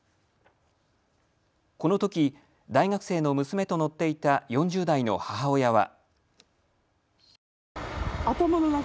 このとき大学生の娘と乗っていた４０代の母親は。